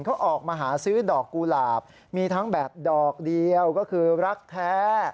เขาออกมาหาซื้อดอกกุหลาบมีทั้งแบบดอกเดียวก็คือรักแท้